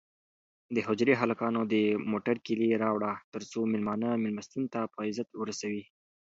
د حجرې هلکانو د موټر کیلي راوړه ترڅو مېلمانه مېلمستون ته په عزت ورسوي.